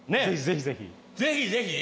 ぜひぜひぜひぜひぜひ？